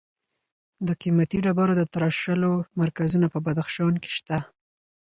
د قیمتي ډبرو د تراشلو مرکزونه په بدخشان کې شته.